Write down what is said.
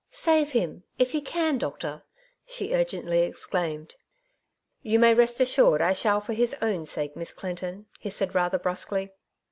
'^ Save him, if you can^ doctor,'' she urgently exclaimed. '* You may rest assured I shall for his ovm sake, Miss Clinton/' he answered rather brusquely.